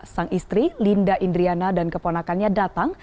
sang istri linda indriana dan keponakannya datang